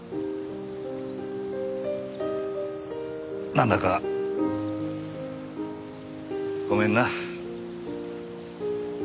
なんだかごめんな。